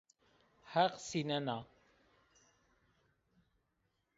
Heq sînena